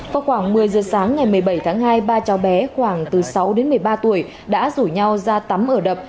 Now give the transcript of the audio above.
vào khoảng một mươi giờ sáng ngày một mươi bảy tháng hai ba cháu bé khoảng từ sáu đến một mươi ba tuổi đã rủ nhau ra tắm ở đập